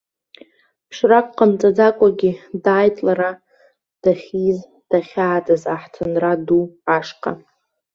Ԥшрак ҟамҵаӡакәагьы, дааит лара дахьиз, дахьааӡаз аҳҭынра ду ашҟа.